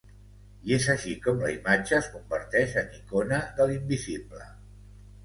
I és així com la imatge es converteix en icona de l'invisible.